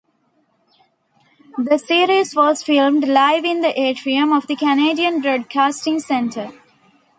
The series was filmed live in the atrium of the Canadian Broadcasting Centre.